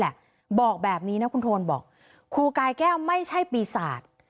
บอกแบบนี้นะคุณโทนบอกครูกายแก้วไม่ใช่ปีศาจ